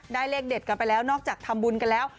เลขเด็ดกันไปแล้วนอกจากทำบุญกันแล้ว